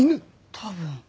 多分。